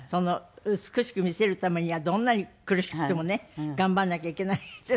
美しく見せるためにはどんなに苦しくてもね頑張んなきゃいけないって。